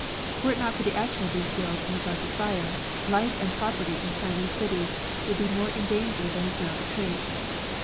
Were it not for the action of these guilds in regard to fire, life and property in Chinese cities would be more in danger than is now the case.